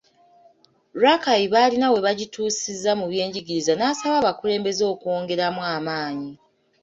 Rakai balina we bagituusizza mu byenjigiriza n’asaba abakulembeze okwongeramu amaanyi.